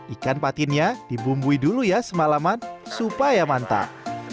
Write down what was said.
ikan patinnya dibumbui dulu ya semalaman supaya mantap